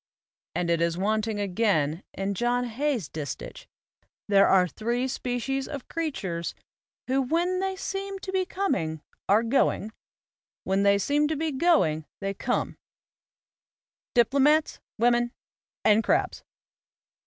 And it is wanting again in John Hay's distich: There are three species of creatures who when they seem to be coming are going, When they seem to be going they come; diplomats, women and crabs.